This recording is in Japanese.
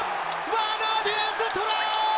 ワーナー・ディアンズ、トライ。